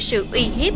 sự uy hiếp